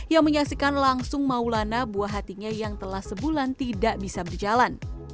yang menyaksikan langsung maulana buah hatinya yang telah sebulan tidak bisa berjalan